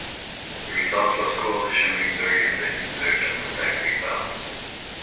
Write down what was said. The result was Coalition victory and insurgent attack repelled.